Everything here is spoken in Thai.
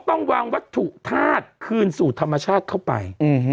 ต้องวางวัตถุธาตุคืนสู่ธรรมชาติเข้าไป